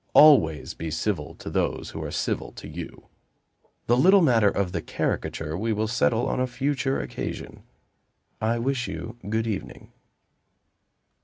Always be civil to those who are civil to you. The little matter of the caricature we will settle on a future occasion. I wish you good evening."